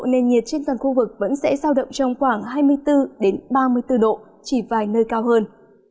nền nhiệt trên toàn khu vực vẫn sẽ giao động trong khoảng hai mươi bốn ba mươi bốn độ chỉ vài nơi cao hơn